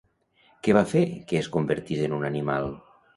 Què va fer que es convertís en un animal?